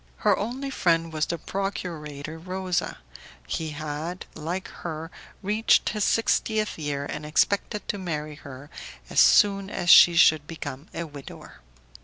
Her only friend was the procurator Rosa; he had, like her, reached his sixtieth year, and expected to marry her as soon as he should become a widower.